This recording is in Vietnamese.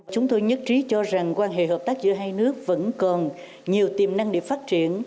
chúng tôi nhất trí cho rằng quan hệ hợp tác giữa hai nước vẫn còn nhiều tiềm năng để phát triển